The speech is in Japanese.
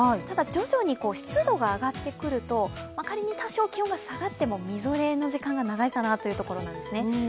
ただ、徐々に湿度が上がってると、仮に多少、気温が下がってもみぞれの時間が長いかなというところです。